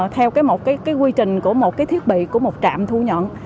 theo một quy trình của một cái thiết bị của một trạm thu nhận